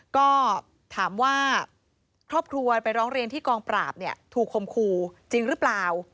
ก็ถามว่าครอบครัวไปร้องเรียนที่กองปราบเนี่ยถูกคมคู่จริงหรือเปล่า